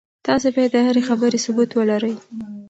تاسي باید د هرې خبرې ثبوت ولرئ.